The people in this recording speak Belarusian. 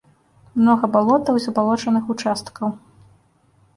Многа балотаў і забалочаных участкаў.